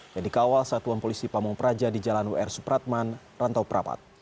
yang dikawal satuan polisi pamung praja di jalan wr supratman rantau perapat